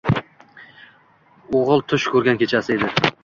O‘g‘il tush ko‘rgan kecha edi